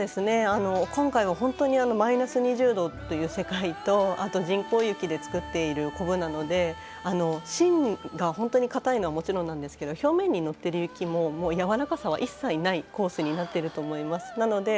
今回は本当にマイナス２０度という世界とあと人工雪で作っているコブなので芯が本当にかたいのはもちろんなんですが表面にのっている雪もやわらかさは一切ないコースになっていると思います。